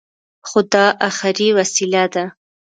خو دا اخري وسيله ده.